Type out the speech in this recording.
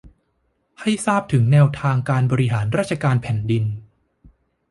ให้ทราบถึงแนวทางการบริหารราชการแผ่นดิน